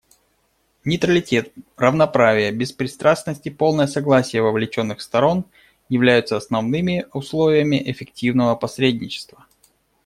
Нейтралитет, равноправие, беспристрастность и полное согласие вовлеченных сторон являются основными условиями эффективного посредничества.